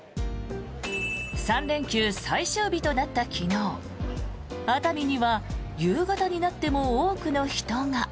３連休最終日となった昨日熱海には夕方になっても多くの人が。